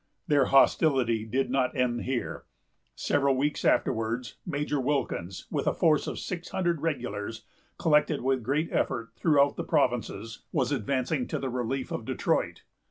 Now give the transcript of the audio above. Their hostility did not end here. Several weeks afterwards, Major Wilkins, with a force of six hundred regulars, collected with great effort throughout the provinces, was advancing to the relief of Detroit.